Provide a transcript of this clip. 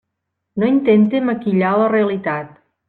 No intente maquillar la realitat.